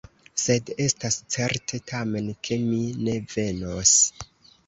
Sed estas certe, tamen, ke mi ne venos.